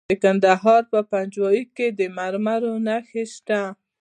د کندهار په پنجوايي کې د مرمرو نښې شته.